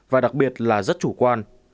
và đặc biệt là rất chủ quan